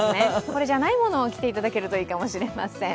これじゃないものを着ていただけるといいかもしれません。